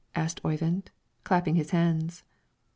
asked Oyvind, clapping his hands.